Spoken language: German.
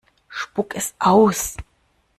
Spuck es aus!